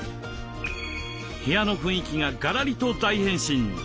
部屋の雰囲気がガラリと大変身！